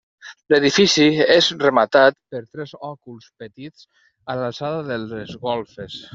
L'edifici és rematat per tres òculs petits a l'alçada de les golfes.